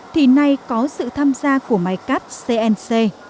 thì nay có sự tham gia của máy cắp cnc